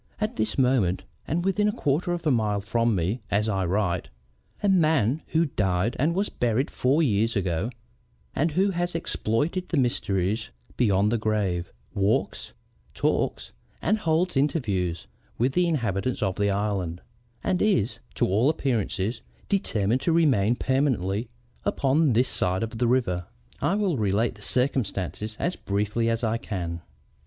At this moment and within a quarter of a mile from me as I write, a man who died and was buried four years ago, and who has exploited the mysteries beyond the grave, walks, talks, and holds interviews with the inhabitants of the island, and is, to all appearances, determined to remain permanently upon this side of the river. I will relate the circumstances as briefly as I can."